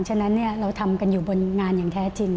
ฉะนั้นเราทำกันอยู่บนงานอย่างแท้จริง